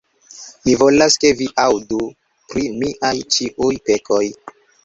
Mi volas, ke vi aŭdu pri miaj ĉiuj pekoj!